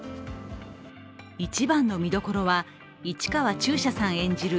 一番の見どころは、市川中車さん演じる